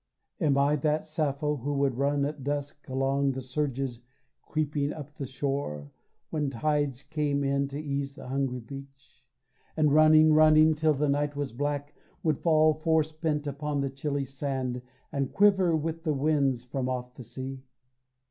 Am I that Sappho who would run at dusk Along the surges creeping up the shore When tides came in to ease the hungry beach, And running, running till the night was black, Would fall forespent upon the chilly sand And quiver with the winds from off the sea?